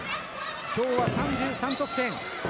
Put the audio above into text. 今日は３３得点。